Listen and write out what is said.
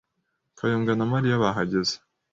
Kayonga na Mariya bahageze.